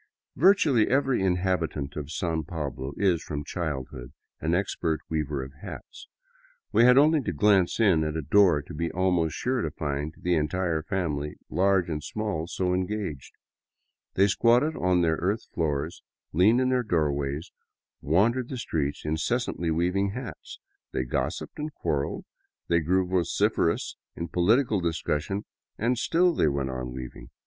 Virtually every inhabitant of San Pablo is, from childhood, an ex pert weaver of hats. We had only to glance in at a door to be almost sure to find the entire family, large and small, so engaged. They squatted on their earth floors, leaned in their doorways, wandered the streets, incessantly weaving hats; they gossiped and quarreled, they grew vociferous in political discussion, and still they went on weaving.